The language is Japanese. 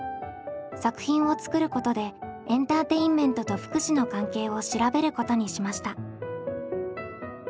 作品を作ることでエンターテインメントと福祉の関係を調べることにしました。